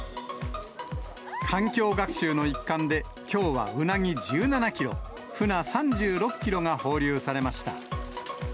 環境学習の一環で、きょうはウナギ１７キロ、フナ３６キロが放流されました。